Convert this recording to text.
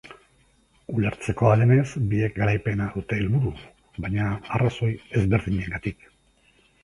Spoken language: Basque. Ulertzekoa denez, biek garaipena dute helburu, baina arrazoi ezberdinengatik.